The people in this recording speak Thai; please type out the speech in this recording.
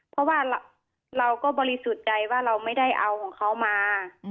เพราะว่าเราก็บริสุทธิ์ใจว่าเราไม่ได้เอาของเขามา